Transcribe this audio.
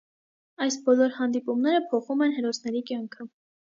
Այս բոլոր հանդիպումները փոխում են հերոսների կյանքը։